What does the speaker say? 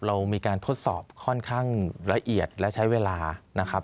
เรามีการทดสอบค่อนข้างละเอียดและใช้เวลานะครับ